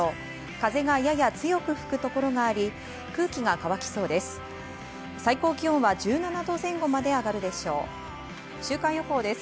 風がやや強く吹くところがあり、空気が乾きそうです。